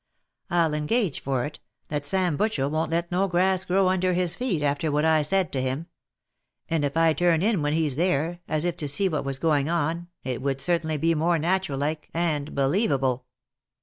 I'll engage for it, that Sam Butchel won't let no grass grow under his feet after what I said to him ; and if I turn in when he's there, as if to see what was going on, it would certainly be more natural like, and believable."